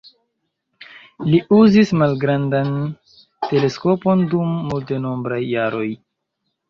Li uzis malgrandan teleskopon dum multenombraj jaroj.